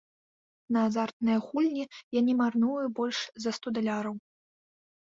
На азартныя гульні я не марную больш за сто даляраў.